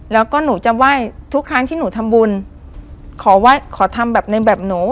แล้วก็หนูจะไหว้ทุกครั้งที่หนูทำบุญขอไหว้ขอทำแบบในแบบหนู